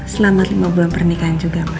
selamat lima bulan pernikahan juga mah